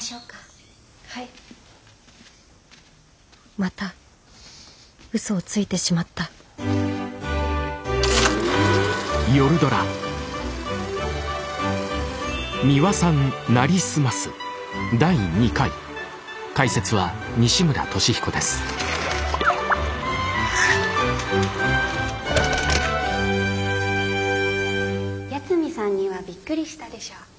またウソをついてしまった八海さんにはびっくりしたでしょ？